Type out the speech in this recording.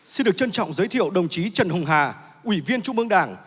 xin được trân trọng giới thiệu đồng chí trần hùng hà ủy viên trung ương đảng